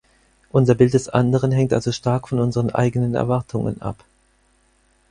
Unser Bild des Anderen hängt also stark von unseren eigenen Erwartungen ab.